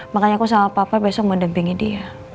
makanya aku sama papa besok mau dempingin dia